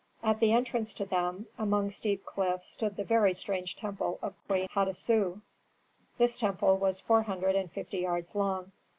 At the entrance to them, among steep cliffs stood the very strange temple of Queen Hatasu. This temple was four hundred and fifty yards long.